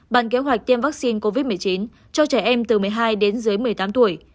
bàn kế hoạch tiêm vaccine covid một mươi chín cho trẻ em từ một mươi hai đến dưới một mươi tám tuổi